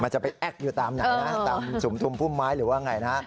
จะไปแอ๊กอยู่ตามไหนนะตามสุมทุมพุ่มไม้หรือว่าไงนะ